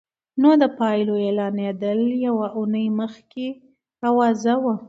نو د پايلو اعلانېدل يوه اونۍ مخکې اوازه وه.